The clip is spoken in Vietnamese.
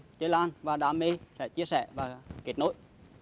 người yêu lan và đam mê để chia sẻ và kết nối